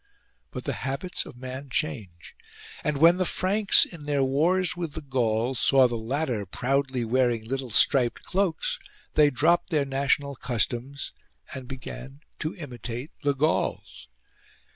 But the habits of man change ; and when the Franks, in their wars with the Gauls, saw the latter proudly wearing little striped cloaks, they dropped their national customs and began to imitate the Gauls.